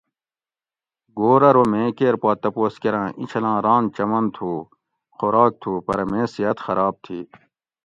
گھور ارو میں کیر پا تپوس کۤراں ایچھلاں ران چمن تھو خوراک تھو پرہ میں صحت خراب تھی